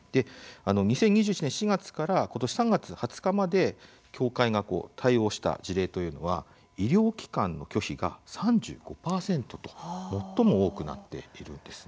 ２０２１年４月からことし３月２０日まで協会が対応した事例というのは医療機関の拒否が３５％と最も多くなっているんです。